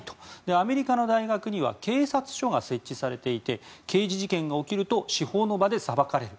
アメリカの大学には警察署が設置されていて刑事事件が起きると司法の場で裁かれる。